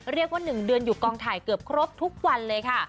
เรียกว่า๑เดือนอยู่กองถ่ายเกือบครบทุกวันเลยค่ะ